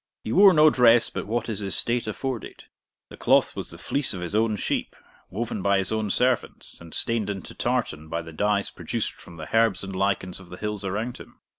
He wore no dress but what his estate afforded; the cloth was the fleece of his own sheep, woven by his own servants, and stained into tartan by the dyes produced from the herbs and lichens of the hills around him.